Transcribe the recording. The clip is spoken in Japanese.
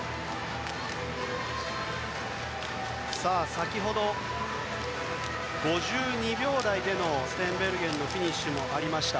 先ほど、５２秒台でのステーンベルゲンのフィニッシュもありました。